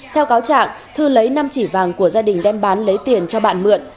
theo cáo trạng thư lấy năm chỉ vàng của gia đình đem bán lấy tiền cho bạn mượn